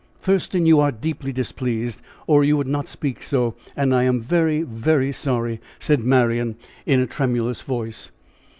"Thurston, you are deeply displeased, or you would not speak so, and I am very, very sorry," said Marian in a tremulous voice.